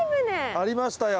ありましたよ。